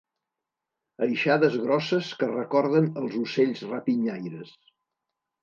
Aixades grosses que recorden els ocells rapinyaires.